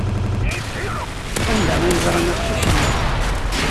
Anda ay ẓran aqcic-nni?